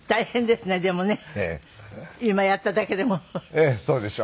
ええそうでしょ。